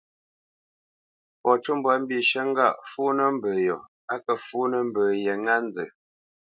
Fɔ cû mbwǎ mbishə̂ ŋgâʼ fúnə̄ mbə yo á kə́ fúnə̄ mbə yě ŋá nzə.